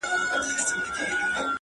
لوستونکی ژور فکر ته ځي تل,